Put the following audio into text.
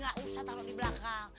gak usah taruh di belakang